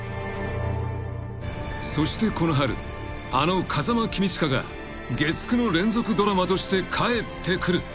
［そしてこの春あの風間公親が月９の連続ドラマとして帰ってくる］